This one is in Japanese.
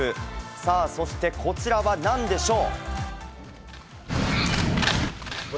さあ、そしてこちらはなんでしょう。